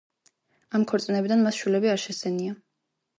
ამ ქორწინებიდან მას შვილები არ შესძენია.